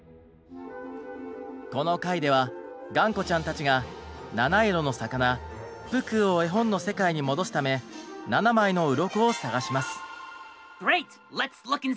この回ではがんこちゃんたちがなないろのさかなプクーを絵本の世界に戻すため７枚のうろこを探します。